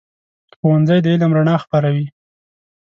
ښوونځی د علم رڼا خپروي.